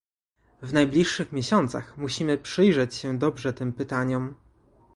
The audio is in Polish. W najbliższych miesiącach musimy przyjrzeć się dobrze tym pytaniom